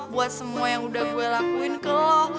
buat semua yang udah gue lakuin ke lo